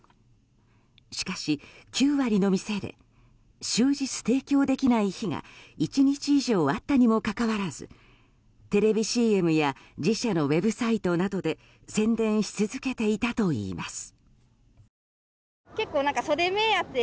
しかし９割の店で終日提供できない日が１日以上あったにもかかわらずテレビＣＭや自社のウェブサイトなどで宣伝し続けていたといいます。